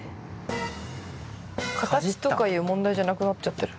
形とかいう問題じゃなくなっちゃってる。